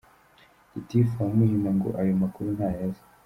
Gitifu wa Muhima ngo ayo makuru ntayo azi .